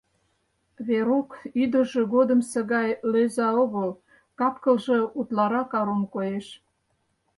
Верук ӱдыржӧ годымсо гай лӧза огыл, кап-кылже утларак арун коеш.